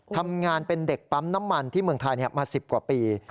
ทำงานเป็นเด็กปั๊มน้ำมันที่เมืองไทยมา๑๐กว่าปี